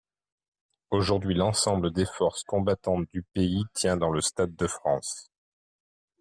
Aujourd’hui, l’ensemble des forces combattantes du pays tient dans le stade de France.